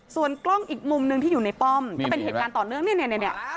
ส่วนกล้องอีกมุมหนึ่งที่อยู่ในป้อมก็เป็นเหตุการณ์ต่อเนื่องเนี่ย